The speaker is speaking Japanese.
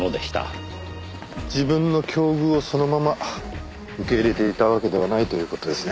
自分の境遇をそのまま受け入れていたわけではないという事ですね。